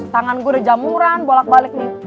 tangan gue udah jamuran bolak balik nih